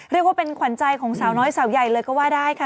เรียกว่าเป็นขวัญใจของสาวน้อยสาวใหญ่เลยก็ว่าได้ค่ะ